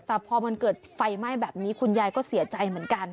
แต่พอมันเกิดไฟไหม้แบบนี้คุณยายก็เสียใจเหมือนกัน